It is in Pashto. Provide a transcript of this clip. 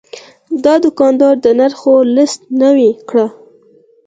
دا دوکاندار د نرخونو لیست نوي کړ.